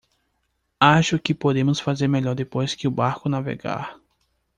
Acho que podemos fazer melhor depois que o barco navegar.